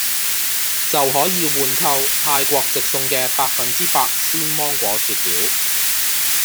就可以換購泰國直送嘅百分之百鮮芒果雪條